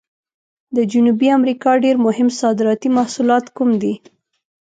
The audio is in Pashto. د جنوبي امریکا ډېر مهم صادراتي محصولات کوم دي؟